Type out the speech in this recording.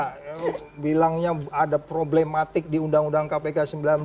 yang bilangnya ada problematik di undang undang kpk sembilan belas